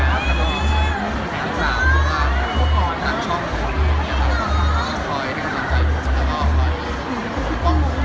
อยากจะบอกว่ามีกำลังใจที่ที่แบบทั้งสาวทุกคนทั้งช่องทุกคน